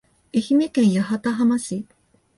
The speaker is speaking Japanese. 愛媛県八幡浜市